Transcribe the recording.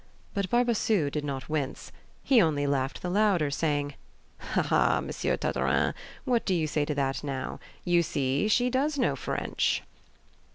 But Barbassou did not wince; he only laughed the louder, saying: "Ha, ha, Monsieur Tartarin! What do you say to that now? You see she does know French."